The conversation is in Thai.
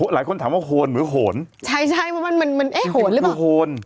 หลายคนถามว่าโฮนเหมือนโหนใช่ว่ามันคือโฮน